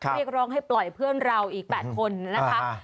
เรียกร้องให้ปล่อยเพื่อนเราอีก๘คนนะคะ